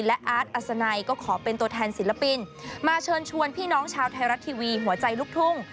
และอาร์ตอัศนัยก็ขอเป็นตัวแทนศิลปินมาเชิญชวนพี่น้องชาวไทยรัฐทีวีหัวใจลูกทุ่ง